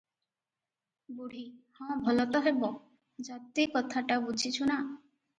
ବୁଢ଼ୀ – ହଁ ଭଲ ତ ହେବ; ଜାତି କଥାଟା ବୁଝିଛୁ ନା?